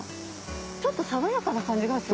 ちょっと爽やかな感じがする。